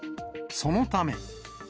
そのため。